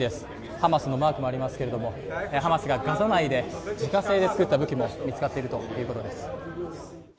ハマスのマークもありますけれどもハマスがガザ内で自家製で作ったということです